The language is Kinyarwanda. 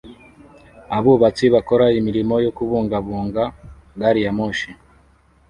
abubatsi bakora imirimo yo kubungabunga gariyamoshi